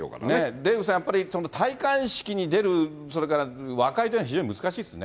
デーブさん、やっぱり戴冠式に出る、それから和解というのは非常に難しいですね。